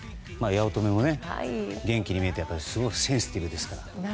八乙女も元気に見えてすごいセンシティブですから。